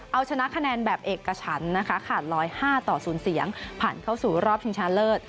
เอาชนะคะแนนแบบเอกฉันนะคะขาด๑๐๕ต่อ๐เสียงผ่านเข้าสู่รอบชิงชนะเลิศ